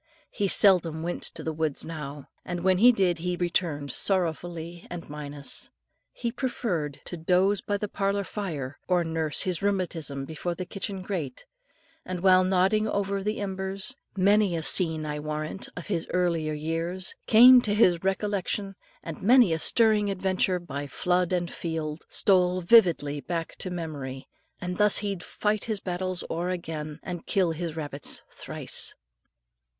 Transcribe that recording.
He seldom went to the woods now, and when he did he returned sorrowfully and minus. He preferred to dose by the parlour fire, or nurse his rheumatism before the kitchen grate; and while nodding over the embers, many a scene, I warrant, of his earlier years came to his recollection, and many a stirring adventure by flood and field stole vividly back to memory, and thus he'd fight his battles o'er again, and kill his rabbits thrice.